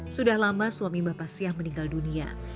sudah lama suami bapak siang meninggal dunia